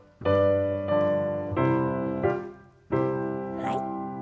はい。